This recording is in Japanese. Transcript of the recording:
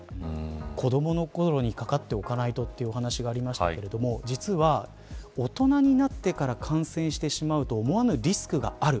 子どものころにかかっておかないとというお話がありましたが実は、大人になってから感染してしまうと思わぬリスクがある。